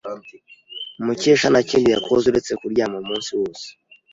Mukesha nta kindi yakoze uretse kuryama umunsi wose.